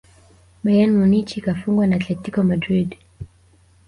bayern munich kafungwa na atletico madrid